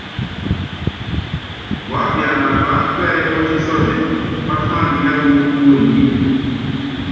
Wu ápiana paána pɛ́yí ɔ́tísɔnɛ, páátúmanini wú muenyi.